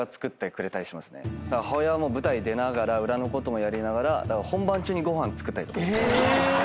だから母親は舞台出ながら裏のこともやりながら本番中にご飯作ったりとか。